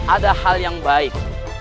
ada hal yang baik